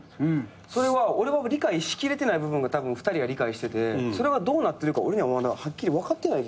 それは俺は理解しきれてない部分がたぶん２人は理解しててそれはどうなってるか俺にはまだはっきり分かってない気がすんねん。